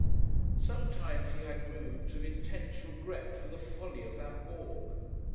Sometimes he had moods of intense regret for the folly of that walk.